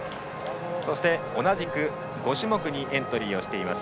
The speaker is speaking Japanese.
そして、同じく５種目にエントリーしています